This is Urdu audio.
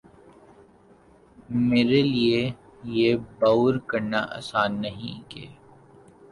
میرے لیے یہ باور کرنا آسان نہیں کہ